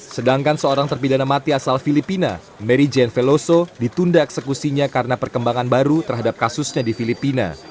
sedangkan seorang terpidana mati asal filipina mary jane veloso ditunda eksekusinya karena perkembangan baru terhadap kasusnya di filipina